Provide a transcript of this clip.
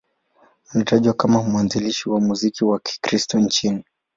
Anatajwa kama mwanzilishi wa muziki wa Kikristo nchini.